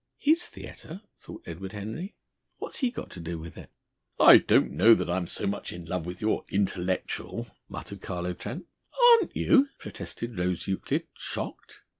'" ("His theatre!" thought Edward Henry. "What's he got to do with it?") "I don't know that I'm so much in love with your 'Intellectual,'" muttered Carlo Trent. "Aren't you?" protested Rose Euclid, shocked.